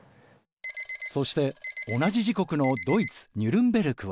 そして同じ時刻のドイツ・ニュルンベルクは。